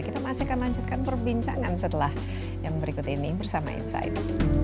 kita masih akan lanjutkan perbincangan setelah yang berikut ini bersama insight